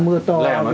mưa to gió nó cuốn